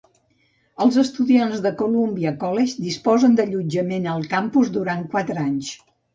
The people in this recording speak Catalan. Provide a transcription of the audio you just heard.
Els estudiants de Columbia College disposen d'allotjament al campus durant quatre anys.